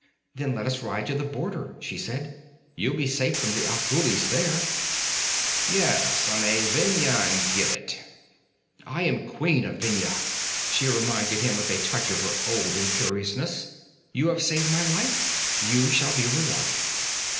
'Then let us ride to the border,' she said. 'You'll be safe from the Afghulis there ' 'Yes, on a Vendhyan gibbet.' 'I am Queen of Vendhya,' she reminded him with a touch of her old imperiousness. 'You have saved my life. You shall be rewarded.'